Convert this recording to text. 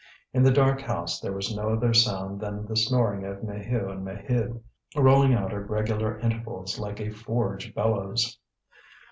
In the dark house there was no other sound than the snoring of Maheu and Maheude, rolling out at regular intervals like a forge bellows.